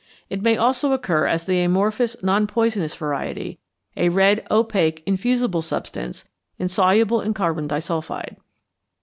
It may also occur as the amorphous non poisonous variety, a red opaque infusible substance, insoluble in carbon disulphide.